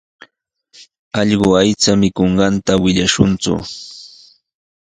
Allqu aycha mikunqanta willashunku.